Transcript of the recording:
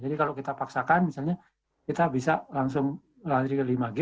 jadi kalau kita paksakan misalnya kita bisa langsung lari ke lima g